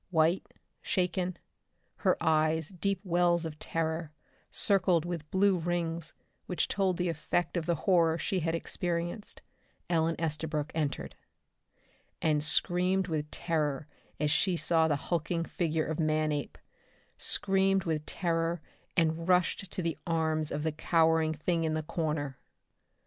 White, shaken, her eyes deep wells of terror, circled with blue rings which told the effect of the horror she had experienced, Ellen Estabrook entered. And screamed with terror as she saw the hulking figure of Manape. Screamed with terror and rushed to the arms of the cowering thing in the corner!